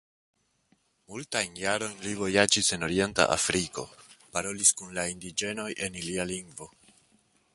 Multajn jarojn li vojaĝis en orienta Afriko, parolis kun la indiĝenoj en ilia lingvo.